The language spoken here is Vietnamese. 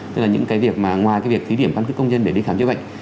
tức là những cái việc mà ngoài cái việc thí điểm căn cứ công dân để đi khám chữa bệnh